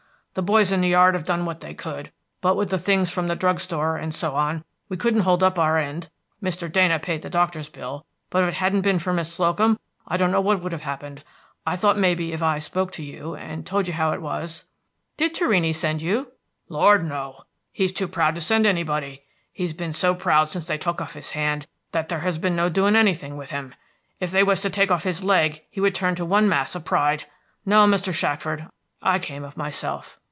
The boys in the yard have done what they could, but with the things from the drug store, and so on, we couldn't hold up our end. Mr. Dana paid the doctor's bill, but if it hadn't been for Miss Slocum I don't know what would have happened. I thought may be if I spoke to you, and told you how it was" "Did Torrini send you?" "Lord, no! He's too proud to send to anybody. He's been so proud since they took off his hand that there has been no doing anything with him. If they was to take off his leg, he would turn into one mass of pride. No, Mr. Shackford, I came of myself."